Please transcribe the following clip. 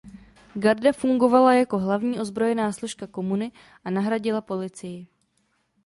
Garda fungovala jako hlavní ozbrojená složka Komuny a nahradila policii.